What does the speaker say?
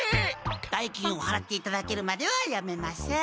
代金をはらっていただけるまではやめません。